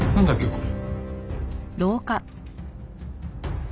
これ。